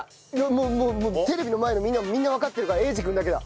もうもうテレビの前のみんなもみんなわかってるから英二君だけだ。